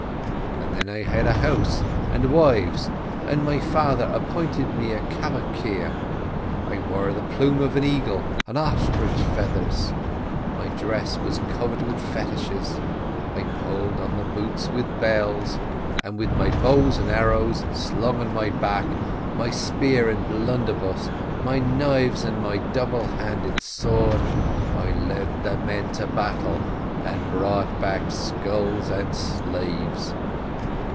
I then had a house and wives, and my father appointed me a Caboceer. I wore the plume of eagle and ostrich feathers, my dress was covered with fetishes, I pulled on the boots with bells, and with my bow and arrows slung on my back, my spear and blunderbuss, my knives and my double handed sword, I led the men to battle and brought back skulls and slaves.